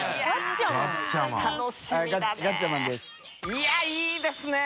いやいいですね！